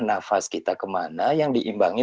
nafas kita kemana yang diimbangi